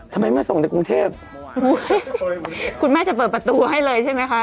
ทำไมไม่ส่งในกรุงเทพคุณแม่จะเปิดประตูให้เลยใช่ไหมคะ